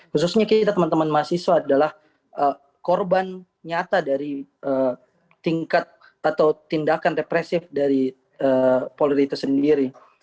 khususnya kita teman teman mahasiswa adalah korban nyata dari tingkat atau tindakan represif dari polri itu sendiri